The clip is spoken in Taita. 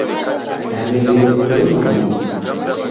Damerie kudema midi.